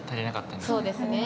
そうですね。